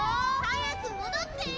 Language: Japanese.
早く戻って！